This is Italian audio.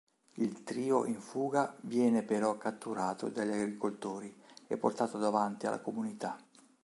Il trio in fuga viene però catturato dagli agricoltori e portato davanti alla comunità.